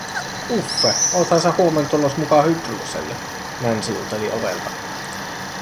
"Uffe, oothan sä huomen tulos mukaa Hydrukselle?", Nancy uteli ovelta.